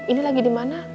ini lagi di mana